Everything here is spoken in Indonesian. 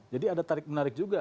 jadi ada tarik menarik juga